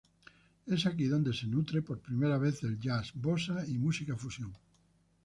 Es aquí donde se nutre por primera vez del jazz, bossa y música fusión.